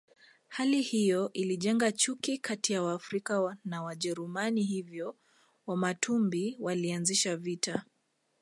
Hali hiyo ilijenga chuki kati ya Waafrika na Wajerumani hivyo Wamatumbi walianzisha vita